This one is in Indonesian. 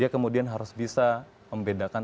kemudian harus bisa membedakan